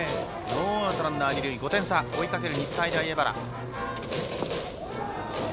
ノーアウト、ランナー二塁５点差、追いかける日体大荏原。